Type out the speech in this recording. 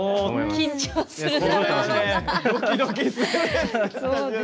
緊張する。